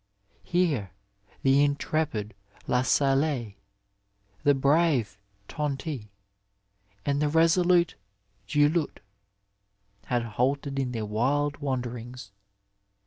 Here the intrepid La Salle, the brave Tonty, and the resolute Du Lhut had halted in their wild wanderings.